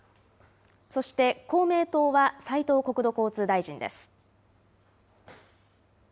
そして公明党は斉藤国土交通大臣です。